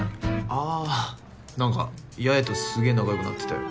あぁ何か八重とすげぇ仲良くなってたよ。